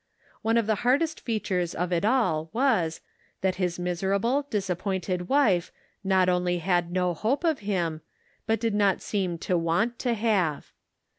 One of the hardest features of it all was, that his miserable, dis appointed wife not only had no hope of him, but did not seem to want to have.